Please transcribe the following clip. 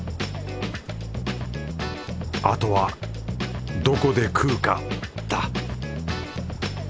あとはどこで食うかだ